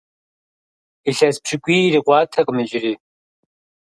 Илъэс пщыкӏуий ирикъуатэкъым иджыри.